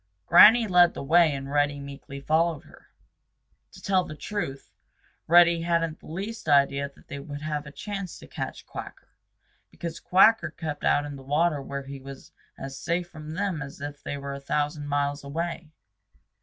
Granny led the way and Reddy meekly followed her. To tell the truth, Reddy hadn't the least idea that they would have a chance to catch Quacker, because Quacker kept out in the water where he was as safe from them as if they were a thousand miles away.